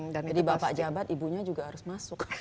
jadi bapak jabat ibunya juga harus masuk